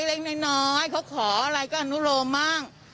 เล็กน้อยเขาขออะไรก็อนุโลมบ้าง